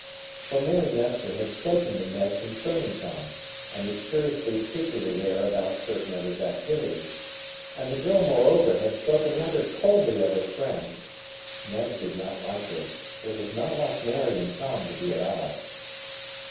For Mary Nestor had spoken to Ned concerning Tom, and the curiously secretive air about certain of his activities. And the girl, moreover, had spoken rather coldly of her friend. Ned did not like this. It was not like Mary and Tom to be at odds.